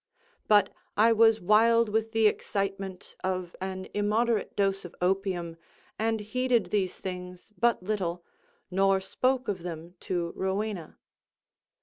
But I was wild with the excitement of an immoderate dose of opium, and heeded these things but little, nor spoke of them to Rowena.